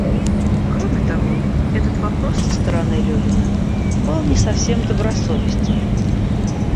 Кроме того, этот вопрос со стороны Левина был не совсем добросовестен.